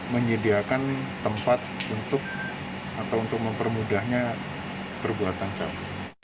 menyediakan tempat untuk mempermudahnya perbuatan cawan